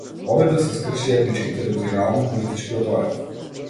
Обид да се скрши етнички територијално политичкиот орев.